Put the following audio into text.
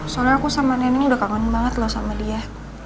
soalnya aku sama nenek udah kangen banget loh sama dia